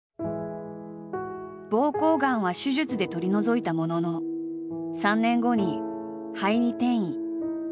膀胱がんは手術で取り除いたものの３年後に肺に転移。